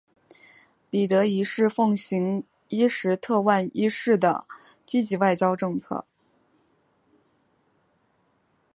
彼得一世奉行伊什特万一世的积极外交政策。